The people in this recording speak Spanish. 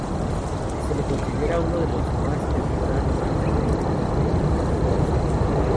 Se le considera uno de los más tempranos exponentes del periodismo gonzo.